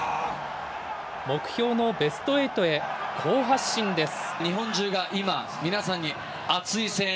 目標のベストエイトへ、好発進です。